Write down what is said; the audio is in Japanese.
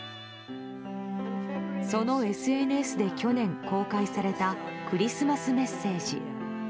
そのＳＮＳで去年公開されたクリスマスメッセージ。